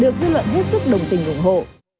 được dư luận hết sức đồng tình ủng hộ